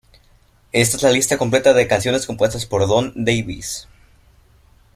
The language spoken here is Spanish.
Esta es la lista completa de canciones compuestas por Don Davis.